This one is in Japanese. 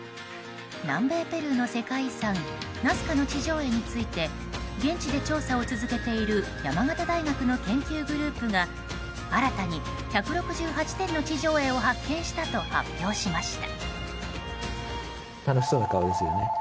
南米ペルーの世界遺産ナスカの地上絵について現地で調査を続けている山形大学の研究グループが新たに１６８点の地上絵を発見したと発表しました。